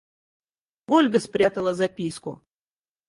Ольга спрятала записку.